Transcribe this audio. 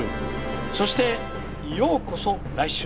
そして、ようこそ来週。